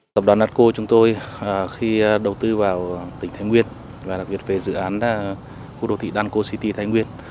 tập đoàn đan cô chúng tôi khi đầu tư vào tỉnh thái nguyên và đặc biệt về dự án khu đô thị đan cô city thái nguyên